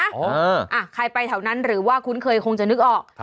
อ้าวอ่าวใครไปเท่านั้นหรือว่าคุณเคยคงจะนึกออก